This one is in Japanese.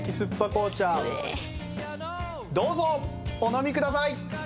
紅茶どうぞお飲みください！